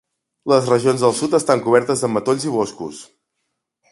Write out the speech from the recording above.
Les regions del sud estan cobertes de matolls i boscos.